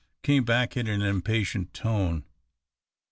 came back, in an impatient tone.